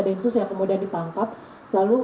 densus yang kemudian ditangkap lalu